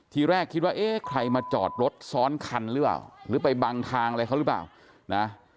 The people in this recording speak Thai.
ทีแรกคิดว่าเอ๊ะใครมาจอดรถซ้อนคันหรือเปล่าหรือไปบังทางอะไรเขาหรือเปล่านะ